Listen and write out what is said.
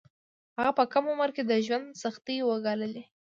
هغه په کم عمر کې د ژوند سختۍ وګاللې